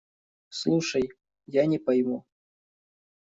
Слушай… Я не пойму.